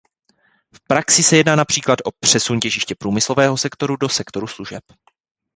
V praxi se jedná například o přesun těžiště průmyslového sektoru do sektoru služeb.